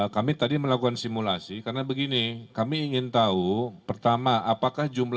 kami tadi melakukan simulasi karena begini kami ingin tahu pertama apakah jumlah